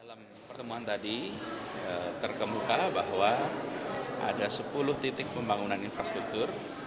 dalam pertemuan tadi terkemuka bahwa ada sepuluh titik pembangunan infrastruktur